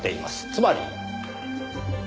つまり。